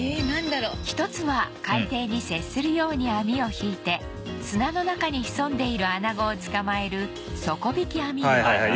一つは海底に接するように網を引いて砂の中に潜んでいるアナゴを捕まえる底引き網漁